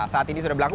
saat ini sudah berlaku